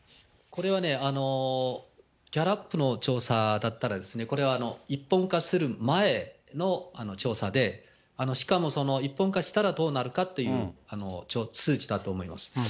これはね、ギャラップの調査だったら、これは一本化する前の調査で、しかも一本化したらどうなるかっていう数値だと思います。